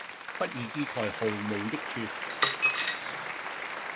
不義之財毫無益處